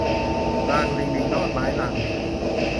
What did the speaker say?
ลางลิงลิงลอดไม้ ลางลิง